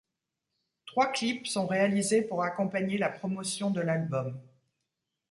Trois clips sont réalisés pour accompagner la promotion de l'album.